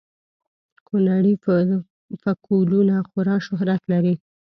کونړي فکولونه خورا شهرت لري